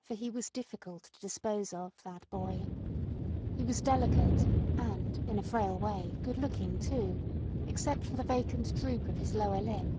For he was difficult to dispose of, that boy. He was delicate and, in a frail way, good looking too, except for the vacant droop of his lower lip.